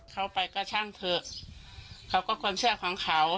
เขาไปก็ช่างเถอะเขาก็ความเชื่อของเขา